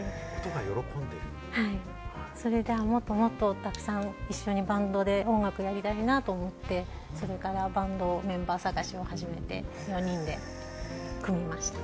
それから、もっともっとたくさん一緒にバンドで音楽をやりたいなと思って、それからバンドメンバー探しを始めて、４人で組みました。